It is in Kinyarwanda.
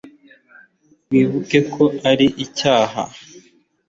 wibuke ko ari icyaha